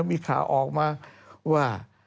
มีข่าวออกมาว่า